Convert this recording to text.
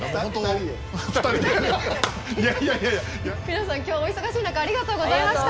皆さん今日はお忙しい中ありがとうございました。